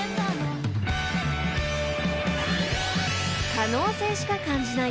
［可能性しか感じない